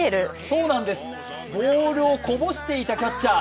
そうなんです、ボールをこぼしていたキャッチャー。